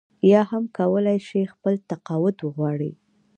یا هم کولای شي خپل تقاعد وغواړي.